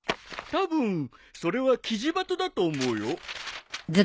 たぶんそれはキジバトだと思うよ。